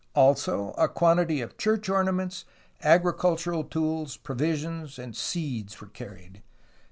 Also a quantity of church ornaments, agricultural tools, provisions, and seeds were carried.